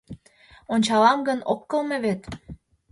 — Ончалам гын, ок кылме вет?